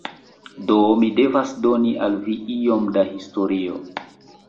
Do, mi devas doni al vi iom da historio.